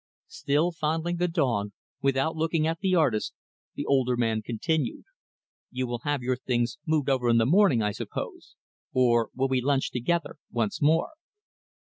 Still fondling the dog, without looking at the artist, the older man continued, "You will have your things moved over in the morning, I suppose? Or, will we lunch together, once more?"